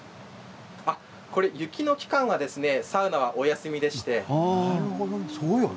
雪の期間はサウナはお休みです。